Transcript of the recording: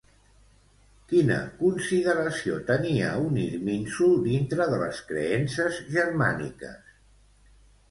Quina consideració tenia un Irminsul dintre de les creences germàniques?